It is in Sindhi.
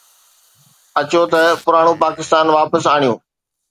اچو ته پراڻو پاڪستان واپس آڻيون.